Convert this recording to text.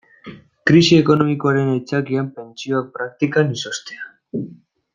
Krisi ekonomikoaren aitzakian pentsioak praktikan izoztea.